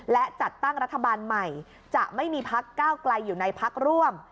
และจัดตั้งรัฐบาลใหม่จะไม่มีพักก้าวไกลอยู่ในพักร่วม